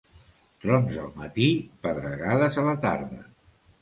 Trons al matí, pedregades a la tarda.